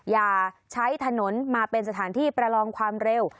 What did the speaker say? อย่าใช้ถนนมาเป็นสถานที่ประลองความเร็ว